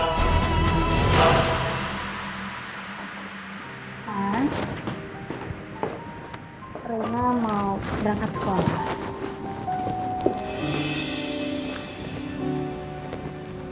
pas rumah mau berangkat sekolah